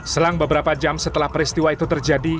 selang beberapa jam setelah peristiwa itu terjadi